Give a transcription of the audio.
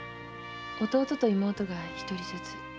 弟と妹が一人ずつ。